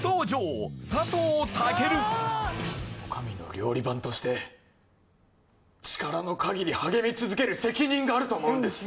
お上の料理番として力の限り励み続ける責任があると思うんです